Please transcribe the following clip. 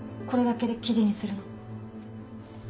これだけで記事にするの。